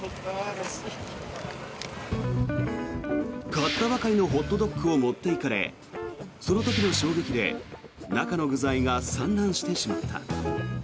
買ったばかりのホットドッグを持っていかれその時の衝撃で中の具材が散乱してしまった。